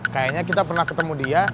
kayaknya kita pernah ketemu dia